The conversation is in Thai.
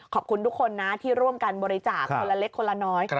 ขอบคุณทุกคนนะที่ร่วมกันบริจาคคนละเล็กคนละน้อย